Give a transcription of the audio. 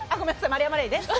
丸山礼です。